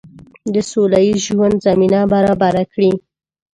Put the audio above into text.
د سوله ییز ژوند زمینه برابره کړي.